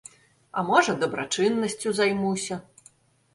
А можа, дабрачыннасцю займуся.